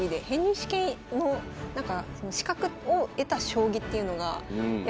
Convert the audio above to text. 試験の資格を得た将棋っていうのがいや